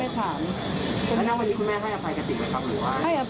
แล้วก็ไม่พบ